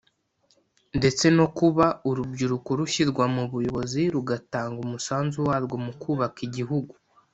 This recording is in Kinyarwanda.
ndetse no kuba urubyiruko rushyirwa mu buyobozi rugatanga umusanzu warwo mu kubaka igihugu